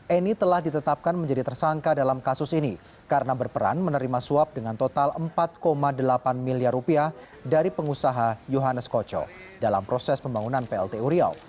eni telah ditetapkan menjadi tersangka dalam kasus ini karena berperan menerima suap dengan total empat delapan miliar rupiah dari pengusaha yohannes koco dalam proses pembangunan pltu riau